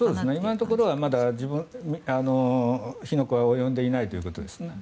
今のところはまだ自分へ火の粉は及んでいないということですね。